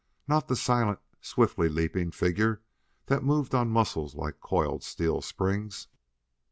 Not the silent, swiftly leaping figure that moved on muscles like coiled steel springs!